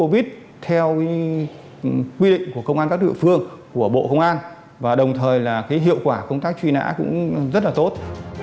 covid theo quy định của công an các địa phương của bộ công an và đồng thời là cái hiệu quả công tác truy nã cũng rất là tốt